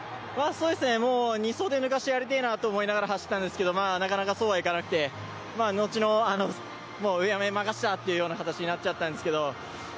もう２走で抜かしてやりてえなって思って走ったんですけどなかなかそうはいかなくて、後の上山に任せたっていうような形になっちゃったんですけど。